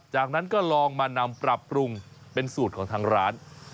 จากนั้นก็ลองมานำปรับปรุงเป็นสูตรของทางร้าน